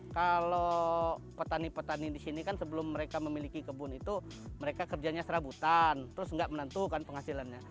kalau petani petani di sini kan sebelum mereka memiliki kebun itu mereka kerjanya serabutan terus nggak menentukan penghasilannya